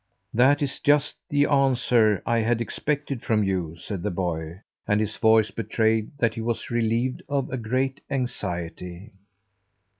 "That is just the answer I had expected from you," said the boy, and his voice betrayed that he was relieved of a great anxiety.